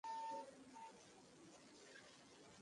তাহলে, যাও!